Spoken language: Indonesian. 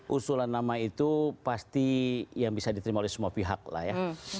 usulan nama itu pasti yang bisa diterima oleh semua pihak lah ya